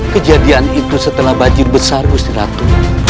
kejadian itu setelah baju besar usi ratu